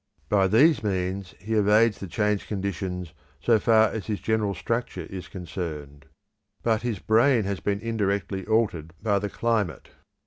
By these means he evades the changed conditions so far as his general structure is concerned. But his brain has been indirectly altered by the climate.